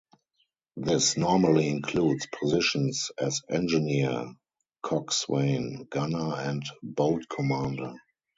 This normally includes positions as engineer, coxswain, gunner, and boat commander.